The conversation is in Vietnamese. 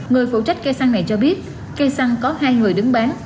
người phụ trách cây săn này cho biết cây săn có hai người đứng bán